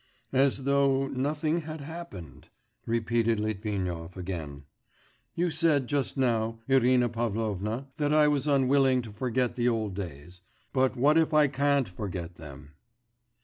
'As though nothing had happened,...' repeated Litvinov again. 'You said just now, Irina Pavlovna, that I was unwilling to forget the old days.... But what if I can't forget them?